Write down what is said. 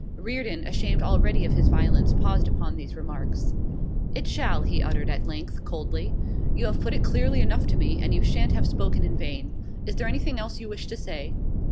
Reardon, ashamed already of his violence, paused upon these remarks. 'It shall,' he uttered at length, coldly. 'You have put it clearly enough to me, and you shan't have spoken in vain. Is there anything else you wish to say?